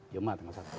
jumat tanggal satu